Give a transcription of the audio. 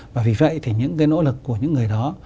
và vì vậy thì những cái nỗ lực của những người đó